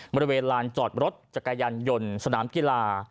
บริเวณลานจอดรถจักรยานยนต์สนามกีฬา